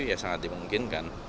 ya sangat dimungkinkan